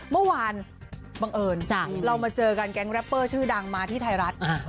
เมื่อวานบังเอิญเรามาเจอกันแก๊งแรปเปอร์ชื่อดังมาที่ไทยรัฐ